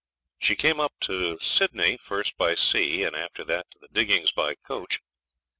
She came up to Sydney, first by sea and after that to the diggings by the coach.